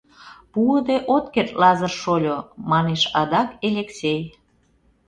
— Пуыде от керт, Лазыр шольо, — манеш адак Элексей.